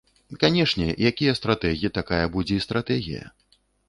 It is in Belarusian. Канешне, якія стратэгі, такая будзе і стратэгія.